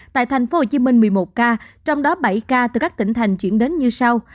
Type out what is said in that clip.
tại thành phố hồ chí minh một mươi một ca trong đó bảy ca từ các tỉnh thành chuyển đến như sau